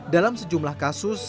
dalam sejumlah kasus